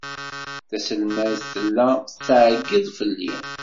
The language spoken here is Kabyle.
Taselmadt tella tettɛeyyiḍ fell-i.